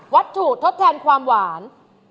วัตถุทดแทนความหวาน